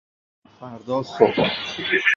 فردا صبح